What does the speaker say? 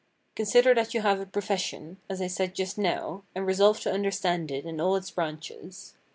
Consider that you have a profession, as I said just now, and resolve to understand it in all its branches.